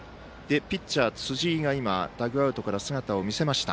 ピッチャー、辻井が今ダグアウトから姿を見せました。